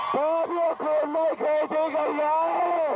สาธิาคือเม้ยเคยดีกันใหญ่